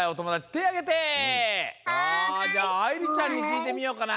じゃああいりちゃんにきいてみようかな。